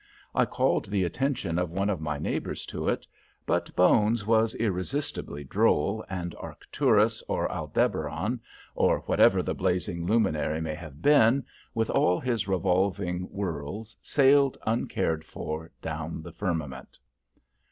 I called the attention of one of my neighbors to it, but "Bones" was irresistibly droll, and Arcturus, or Aldebaran, or whatever the blazing luminary may have been, with all his revolving worlds, sailed uncared for down the firmament.